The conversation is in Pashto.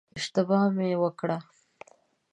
اشتباه مې وکړه.